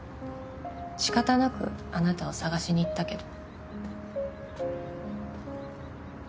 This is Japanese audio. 仕方なくあなたを捜しに行ったけど。